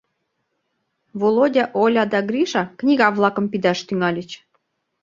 Володя, Оля да Гриша книга-влакым пидаш тӱҥальыч.